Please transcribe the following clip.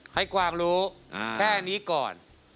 กวางรู้แค่นี้ก่อน